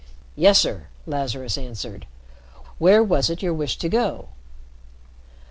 "Yes, sir," Lazarus answered. "Where was it your wish to go?"